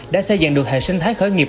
đã xây dựng được hệ sinh thái khởi nghiệp